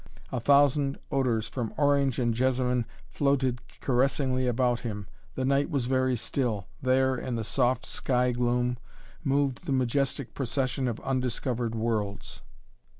A thousand odors from orange and jessamine floated caressingly about him. The night was very still. There, in the soft sky gloom, moved the majestic procession of undiscovered worlds.